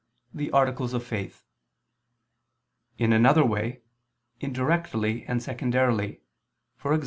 the articles of faith; in another way, indirectly and secondarily, e.g.